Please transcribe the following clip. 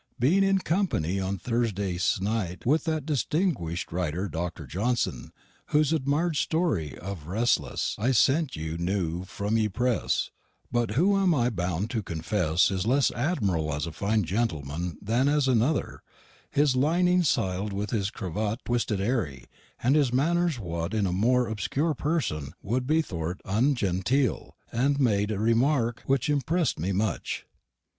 Being in companie on Thersday sennite with that distingwish'd riter, Dr. Johnson, whose admir'd story of Raselass I sent you new from ye press, but who I am bound to confesse is less admirable as a fine gentlemann than as an orther, his linning siled and his kravatt twisted ary, and his manners wot in a more obskure personn wou'd be thort ungenteel, he made a remark wich impress'd me much.